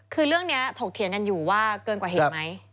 คือเรื่องนี้ถกเถียงกันอยู่ว่าเกินกว่าเหตุไหม